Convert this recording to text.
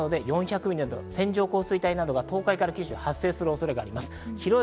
線状降水帯が東海などで発生する恐れがあります。